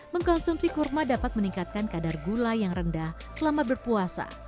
mengkonsumsi kurma dapat meningkatkan kadar gula yang rendah selama berpuasa